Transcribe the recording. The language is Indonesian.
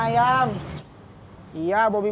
bakal kita menyuruh kalau ada ada